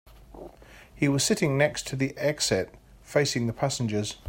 He was sitting next to the exit, facing the passengers.